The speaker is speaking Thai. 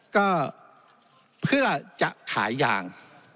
ก็เพื่อจะขายยาง